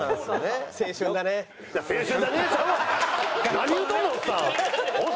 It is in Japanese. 何言うとんの？